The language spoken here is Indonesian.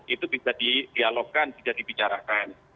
itu bisa dialogkan bisa dibicarakan